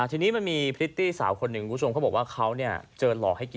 สมมติแค่ป้ายแบบนี้